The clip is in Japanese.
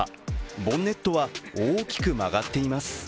ボンネットは大きく曲がっています。